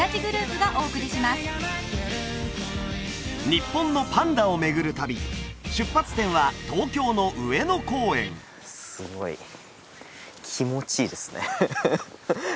日本のパンダをめぐる旅出発点は東京の上野公園すごい気持ちいいですね